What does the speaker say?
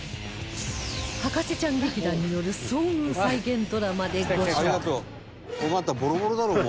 博士ちゃん劇団による遭遇再現ドラマでご紹介